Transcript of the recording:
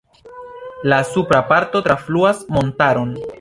La supra parto trafluas montaron.